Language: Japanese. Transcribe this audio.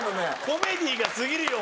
コメディーが過ぎるよ！